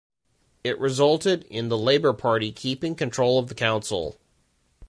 It resulted in the Labour Party keeping control of the council.